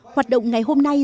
hoạt động ngày hôm nay